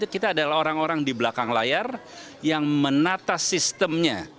kita adalah orang orang di belakang layar yang menata sistemnya